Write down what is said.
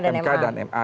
mk dan ma